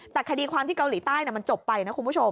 แต่คดีความที่เกาหลีใต้มันจบไปนะคุณผู้ชม